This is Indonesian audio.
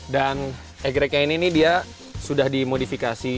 dan egg racknya ini dia sudah dimodifikasi